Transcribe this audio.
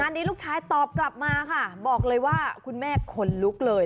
อันนี้ลูกชายตอบกลับมาค่ะบอกเลยว่าคุณแม่ขนลุกเลย